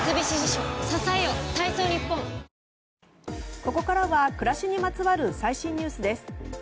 ここからは暮らしにまつわる最新ニュースです。